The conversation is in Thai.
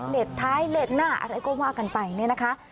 เล็ดท้ายเล็ดหน้าอะไรก็ว่ากันไปนะคะ